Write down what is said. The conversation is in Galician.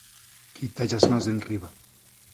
Quítalle as mans de enriba.